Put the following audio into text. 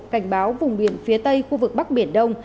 cảnh báo vùng biển phía tây khu vực bắc biển đông